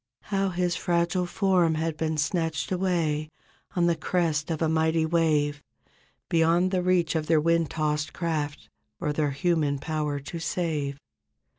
How his fragile form had been snatched away On the crest of a mighty wave. Beyond the reach of their wind tossed craft Or their human power to save.